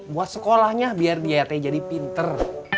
buat sekolahnya biar dia teh jadi pinter